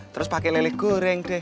terus pakai lele goreng deh